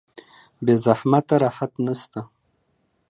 بې زحمت راحت نشته